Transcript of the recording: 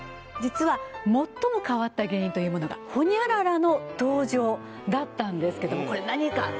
実は最も変わった原因というものが○○の登場だったんですけどもこれ何か？